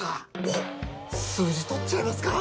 おっ数字取っちゃいますか！？